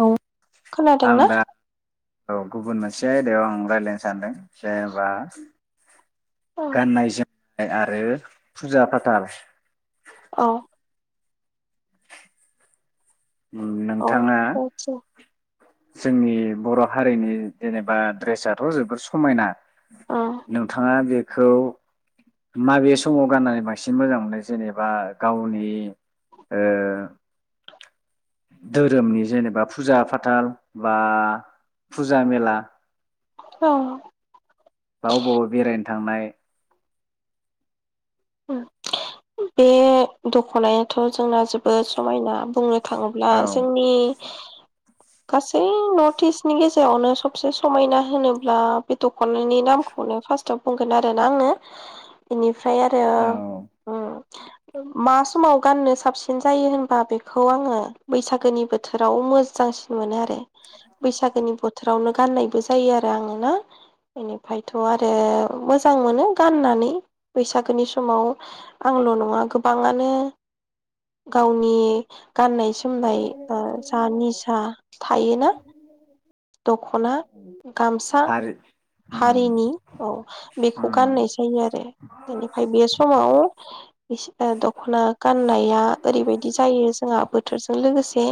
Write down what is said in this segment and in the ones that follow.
औ आं खोनादोंना दा औ गुबुन मोनसे आयदायाव आं रायज्लायनो सानदों जेनेबा औ गाननाय जोम आरो फुजा फाथाल औ अ नोंथाङा आतसा जोंनि बर' हारिनि जेनेबा ड्रेसाथ' जोबद समायना उम नोंथाङा बे खौ माबे समाव गाननानै बांसिन मोजां मोनो जेनेबा गावनि ओ धोरोमनि जेनेबा फुजा फाथाल बा फुजा मेला औ बा अबावबा बेरायनो थांनाय ओ बे दख'नायाथ' जोंना जोबोद समायना बुंनो थाङोब्ला औ जोंनि गासै नर्थ इस्टनि गेजेरावनो सबसे समायना होनोब्ला बे दख'नानि नामखौनो फार्स्टआव बुंगोन आरो ना आङो बेनि ओमफ्राय आरो औ ओम मा समाव गाननो साबसिन जायो होनबा बेखौ आङो बैसागोनि बोथोराव मोजांसिन मोनो आरो बैसागोनि बोथोर बोथोरावनो गाननायबो जायो आरो आङो ना बेनिफ्रायथ' आरो मोजां मोनो गाननानै बैसागोनि समाव आंल' नङा गोबाङानो गावनि गाननाय जोमनाय ओ जा निसा थायोना दख'ना गामसा हारि उम हारिनि औ बेखौ गाननाय उम जायो आरो बेनिफ्राय बे समाव दख'ना गाननाया ओरैबायदि जायो जोंहा बोथ जों लोगोसे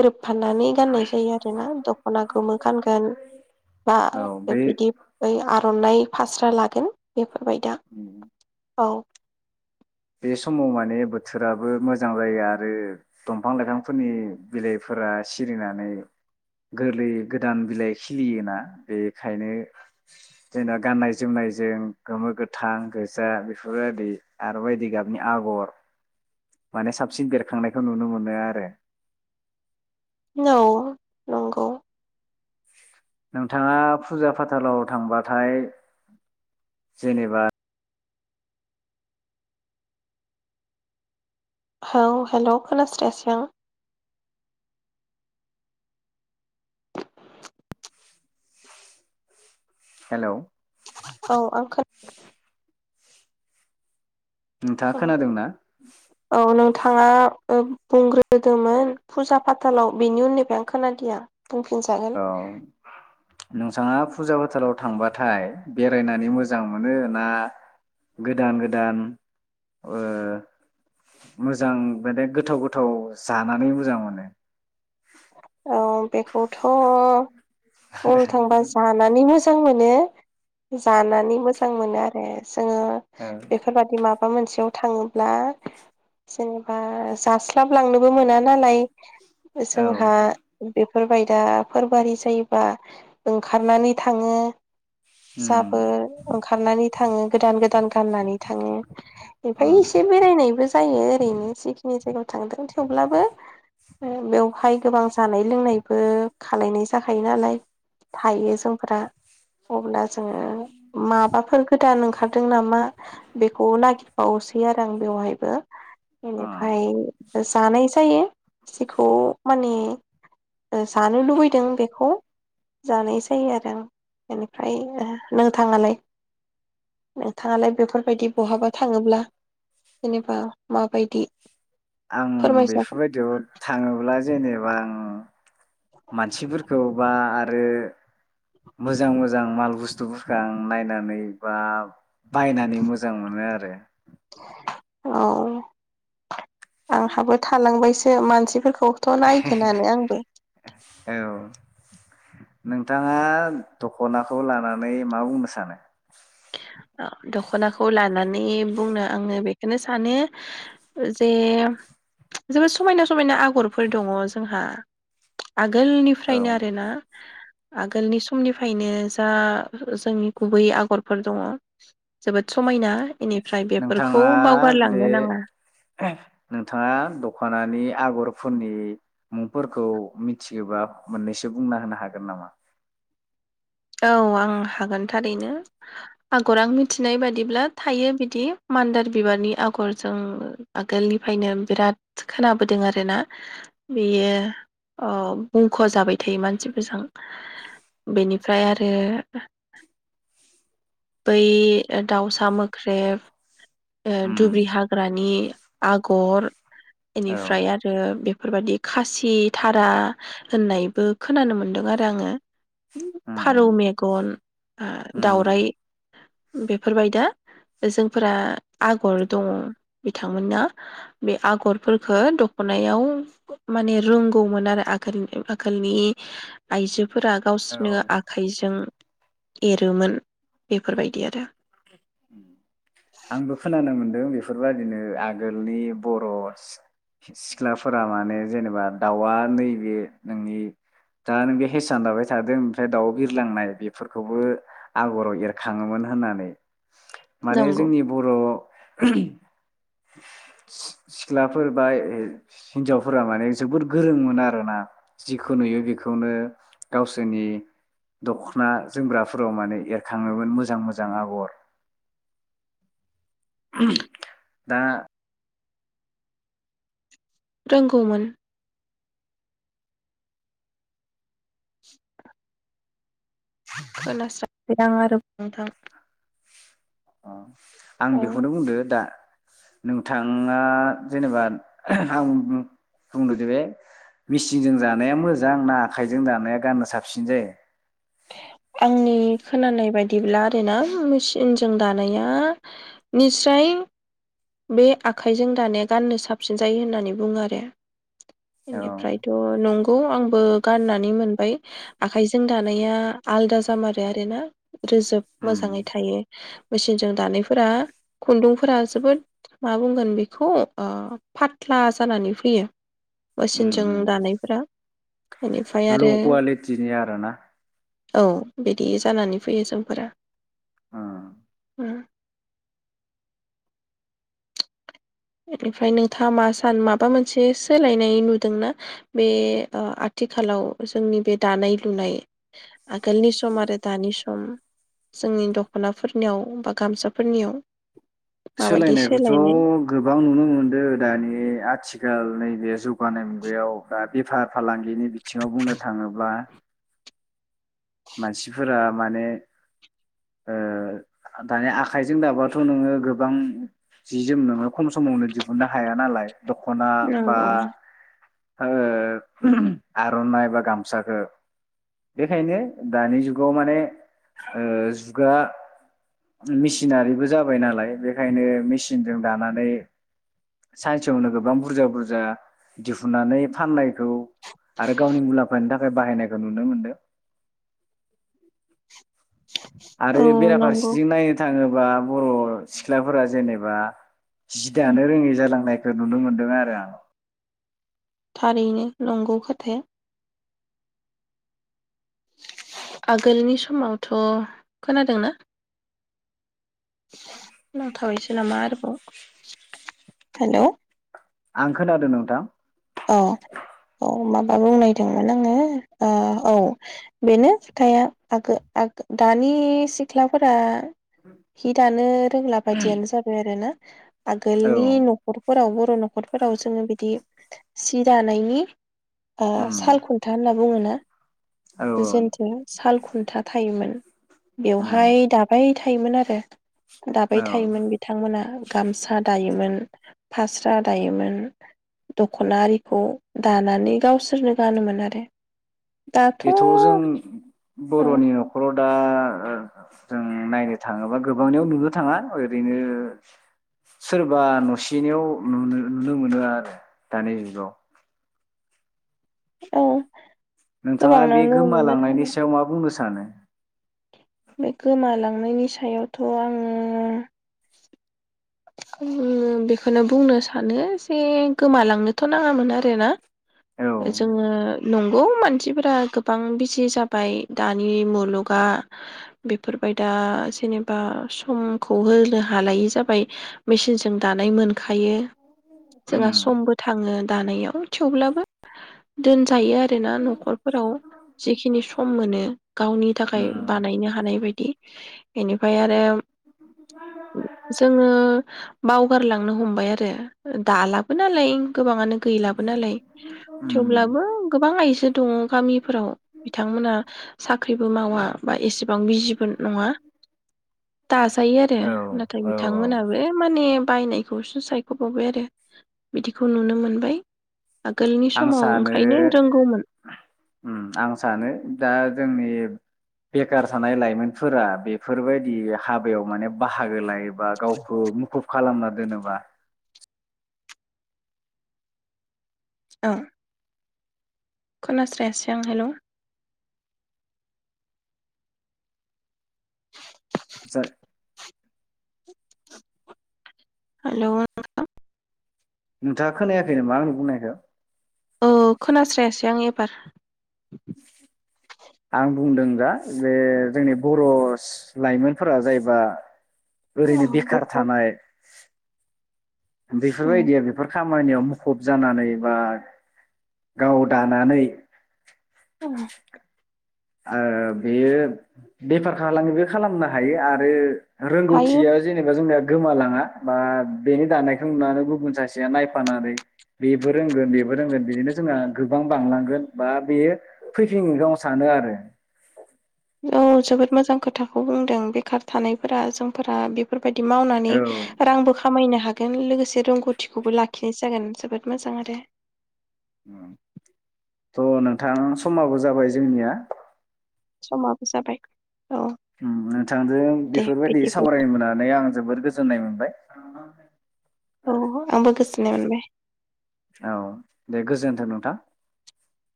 गोरोब फाननानै गाननाय जायो आरोना दख'ना गोमो गानगोन बा औ बे बिदि बा आर आर'नाय फास्रा लागोन फोरबाय दा औ बे समाव माने बोथोराबो मोजां जायो आरो दंफां लाइफांफोरनि बिलाइफोरा सिरिनानै गोरलै गोदान बिलाइ खिलियोना बेखायनो जेन' गाननाय जोमनायजों गोमो गोथां गोजा बेफोरबायदि आरो बेबायदि गाबनि आगर माने साबसिन बेरखांनायखौ नुनो मोनो आरो औ नंगौ नोंथाङा फुजा फाथालाव थांबाथाय जेनेबा औ हेल' खोनास्रायासै आं हेलौ औ आं खोना नोंथाङा खोनादों ना थाङा बुंग्रोदोंमोन फुजा फाथालाव बिनि उननिफ्राय आं खोनादिया बुंफिनजागोन औ नोंथाङा फुजा फाथालाव थांबाथाय बेरायनानै मोजां मोनो ना गोदान गोदान ओ मोजां माने गोथाव गोथाव जानानै मोजां मोनो औ बेखौथ' बुंनो थांबा जानानै मोजां मोजां मोनो जानानै मोजां मोनो आरो जोङो औ बेफोरबायदि माब माबा मोनसेयाव थाङोब्ला जेनेबा जा स्लाब लांनोबो मोना नालाय जोंहा बे बेफोरबाय दा फोर बारि जायोबा ओंखारनानै थाङो उम जाबोर ओंखारनानै थाङो गोदान गोदान गाननानै थाङो ओमफाय एसे उम बेरायनायबो जायो ओरैनो जिखिनि जायगायाव थांदों थेवब्लाबो बेयाव हाय गोबां जानाय लोंनायबो खालायनाय जाखायो नालाय थायो जोंफोरा अब्ला जोङो माबाफोर गोदान ओंखारदों नामा बेखौ नागिरबावसै आरो आं बेवहायबो बेनिफ्राय जानाय जायो जेखौ माने जानो लुबैदों बेखौ जानाय जायो आरो ओं बेनिफ्राय नोंथाङालाय नोंथाङालाय बेफोरबायदि बहाबा थाङोब्ला जेनेबा माबायदि आं फोरमायजागोन बेफोरबायदियाव थाङोब्ला जेनेबा आं मानसिफोरखौ बा आरो मोजां मोजां माल बुस्थुफोरखौ आं नायनानै बा बायनानै मोजां मोनो आरो। औ आंहाबो थालांबायसो मानसिफोरखौ थ नायगोनानो आंबो। औ नोंथाङा दख'नाखौ लानानै मा बुंनो सानो? दख'नाखौ लानानै बुंनो आङो बेखौनो सानो जे जोबोद समायना समायना आगरफोर दङ जोंहा। औ आगोलनिफ्रायनो आरोना। आगोलनि समनिफ्रायनो जा जोंनि गुबै आगरफोर दङ। जोबोद समायना। बेनिफ्राय बेफोरखौ नोंथाङा बावगारलांनो बे नाङा नोंथाङा दखनानि आगरफोरनि मुंफोरखौ मिथियोबा मोननैसो बुंना होनो हागोन नामा? औ आं हागोन थारैनो आगर आं मिथिनाय बादिब्ला थायो बिदि मान्दार बिबारनि आगरजों आगोलनिफ्रायनो बिराद खोनाबोदों आरोना बेयो अ बुंख' जाबाय थायो मानसिफोरजों बेनि फ्राय आरो बै दाउसा मोख्रेब ओ उम दुब्रि हाग्रानि आगर औ बेनिफ्राय उम आरो बे फोरबायाददि खासि थारा होननायबो खोनानो मोनदों आरो आङो। फारौ उम मेगन आ उम दावराइ बेफोरबायदा जोंफोरा आगर दङ बिथांमोना बे आगरफोरखौ दख'नायाव माने रोंगौमोन आरो आगोल आगोलनि आइजो फोरा औ गावसिनो आ जों एरोमोन बेफोरबायदि आरो। बेफोरबायदिनो आगोलनि बर' सि सिख्लाफोरा माने जेनेबा दाउआ नैबे नोंनि दा नों बे हिसान दाबबाय थादों ओमफ्राय दाउ बिरलांनाय बेफोरखौबो आगराव एरखाङोमोन होननानै। माने नंगौ जोंनि बर' सि-सि-सिख्लाफोर बा ए हिनजावफोरा माने जोबोद गोरोंमोन आरोना जिखौ नुयो बेखौनो गावसोरनि दखना जोमग्राफोराव माने एरखाङोमोन मोजां मोजां आगर। दा रोंगौमोन। [inaudible] खोनास्रां [unintelligible] आरो नोंथां। अ आं अ बेखौनो बुंदो दा नोंथांङा जेनेबा आं बुंदोदे बे मेसिजों जानाया मोजां ना आखाइजों दानाया गाननो साबसिन जायो। आंनि खोनानाय बायदिब्ला आरोना मेसिनजों दानाया निस्राय बे आखाइजों दानाया गाननो साबसिन जायो होननानै बुङो आरो। औ बेनिफ्रायथ नंगौ आंबो गाननानै मोनबाय आखाइजों दानाया आलदा जामारो आरोना रोजोब उम मोजाङै थायो मेसिनजों दानायफोरा खुन्दुंफोरा जोबोद मा बुंगोन बेखौ अ फाथ्ला जानानै फैयो। उम जों उम दानायफोरा बेनिफ्राय आरो ल' कुवालिटिनि आरोना औ बिदि जानानै फैयो जोंफोरा। उम बेनिफ्राय नोंथाङा मा सान माबा मोनसे सोलायनाय नुदोंना बे अ आथिखालाव जोंनि बे दानाय लुनाय आगोलनि सम आरो दानि सम जोंनि दख'नाफोरनियाव बा गामसाफोरनियाव माबायदि सोलायनायखौथ' गो सोलायनाय गोबां नुनो मोनदों दानि आथिखाल नैबे जौगानाय मुगायाव बा बेफार फालांगिनि बिथिङाव बुंनो थाङोब्ला मानसिफोरा माने ओ दानि आखाइजों दाबाथ' नोङो गोबां जि जोम नोङो खम समावनो दिहुननो हाया नालाय दख'ना बा नंगौ ओ आर'नाइ बा गामसाखौ बेखायनो दानि जुगाव माने अ जुगा मेसिनारिबो जाबाय नालाय बेखायनो मेसिनजों दानानै सानसेयावनो गोबां बुरजा बुरजा दिहुनानै फाननायखौ आरो गावनि मुलामफानि थाखाय बाहायनायखौ नुनो मोनदों [inaudible] औ आरो नंगौ बेराफारसेथिं नायनो थाङो बा बर' सिख्लाफोरा जेनेबा जि दानो रोङै जालांनाय खौ नुनो मोनदों आरो आं थारैनो नंगौ खोथाया आगोलनि समावथ' खोनादोंना नांथाबायसो नामा आरोबाव हेलौ आं खोनादों नोंथां औ औ माबा बुंनायदोंमोन आङो ओ औ बेनो खोथाया आगो दानि सिख्लाफोरा हि दानो रोंला बायदियानो जाबाय आरो ना औ आगोलनि न'खरफोरावबो बर' न'खरफोराव जोङो बिदि सि दानायनि आ उम साल खुनथा खुनथा होनना बुङो ना औ औ [unintelligible] खुनथा थायोमोन उम बेवहाय दाबाय थायोमोन आरो दाबाय औ थायोमोन बिथांमोना गामसा दायोमोन फास्रा दायोमोन दख'नाआरिखौ दानानै गावसोरनो गानोमोन आरो दाथ' औ बेथ' जों बर'नि न'खराव दा जों नायनो थाङोबा गोबांनियाव नुनो थाङा ओरैनो सोरबा नसेनियाव नुनो नुनो मोनो आरो दानि जुगाव औ नोंथाङा बे गोमालांनायनि सायाव मा बुंनो सानो सानो बे गोमालांनायनि सायावथ' आङो बेखौनो बुंनो सानो जे गोमालांनोथ' नाङामोन आरो ना औ जोङो नंगौ मानसिफोरा गोबां बिजि जाबाय दानि मुलुगा बेफोरबाय दा जेनेबा समखौ होनो हालायि जाबाय मेचिनजों दानाय मोनखायो जोंहा उम समबो थाङो दानायाव थेवब्लाबो दोनजायो आरो आरोना न'खरफोराव जिखिनि सम मोनो गावनि थाखाय उम बानायनो हानाय बायदि बेनिफ्राय आरो जोङो [unintelligible] बावगारलांनो हमबाय आरो दालाबो नालाय गोबाङानो गैलाबो नालाय उम थेवब्लाबो गोबां आइजो दङ गामिफोराव बिथांमोना साख्रिबो मावा बा एसे गोबां बिजिबो नङा दाजायो आरो औ नाथाय औ औ बिथांमोनाबो माने बायनायखौसो सायख'बावबाय आरो बिदिखौ नुनो मोनबाय आगोलनि आं समाव सानो ओंखायनो रोंगौमोन ओ आं सानो दा जोंनि बेखार थानाय लाइमोनफोरा बेफोरबायदि हाबायाव माने बाहागो लायो बा गावखौ मुखुब खालामना दोनोबा ओं खोनास्रायासां आं हेल' जाय हेलौ [unintelligible] नोंथाङा खोनायाखै नामा आंनि बुंनायखौ औ खोनास्रायासै आं एबार आं बुंदों जा जे जोंनि बर' लाइमोनफोरा जायबा ओरैनो बेखार थानाय बेफोरबायदिया बेफोर खाम खामानियाव मुखुब जानानै बा गाव दानानै ओं बेयो बेफार फलाांगिबो खालामनो हायो आरो हायो रोंगौथिया जेनेबा जोंना गोमालाङा बा बेनि दानायखौ नुनानै गुबुन सासेया नायफानानै बेबो रोंगोन बेबो रोंगोन बिदिनो जोंहा गोबां बांलांगोन बा बेयो फैफिनोनखौ आं सानो आरो औ जोबोद मोजां खोथाखौ बुंदों बेखार थानायफोरा जोंफोरा बेफोर बादि मावनानै औ रांबो खामायनो हायो हागोन लोगोसे रोंगौथिखौबो लाखिनाय जागोन जोबोद मोजां आरो थ' नोंथां समाबो जाबा जाबाय जोंनिया समाबो जाबाय औ नोंथांजों दे बेफोरबायदि बिदिब्ला सावरायनो मोननानै आं जोबोद गोजोन जानाय मोनबाय औ आंबो गोजोननाय मोनबाय जागोन नोंथां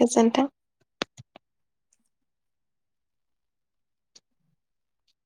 गोजोनथों